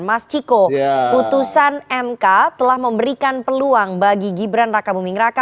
mas ciko putusan mk telah memberikan peluang bagi gibran raka buming raka